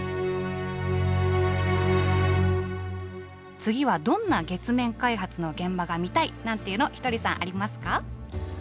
次はどんな月面開発の現場が見たいなんていうのはひとりさんありますか？